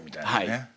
はい。